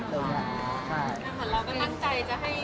เราก็นั่งใจ